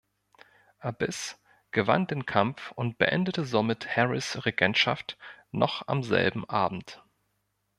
Abyss gewann den Kampf und beendete somit Harris' Regentschaft noch am selben Abend.